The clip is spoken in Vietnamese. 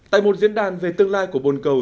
tại một diễn đàn về tương lai của bồn cầu